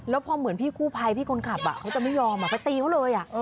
แล้วพอเหมือนพี่กู้ภัยพี่คนขับเขาจะไม่ยอมไปตีเขาเลย